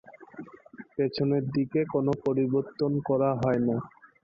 পেছন দিকে কোন পরিবর্তন করা হয়না।